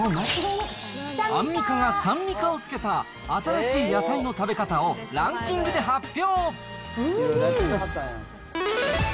アンミカが３ミカをつけた新しい野菜の食べ方をランキングで発表。